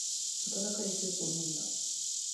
温かいスープを飲んだ。